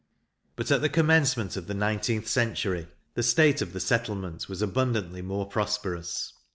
But at the commencement of the nineteenth century, the state of the settlement was abundantly more prosperous.